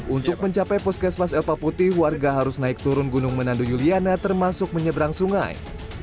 untuk mencapai puskesmas elpa putih warga harus naik turun gunung menandu yuliana termasuk menyeberang sungai